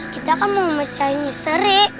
kita kan mau mecah misteri